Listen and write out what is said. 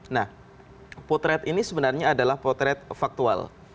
nah potret ini sebenarnya adalah potret faktual